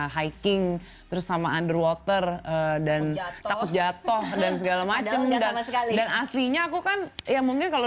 hiking terus sama underwater dan takut jatuh dan segala macam dan aslinya aku kan ya mungkin kalau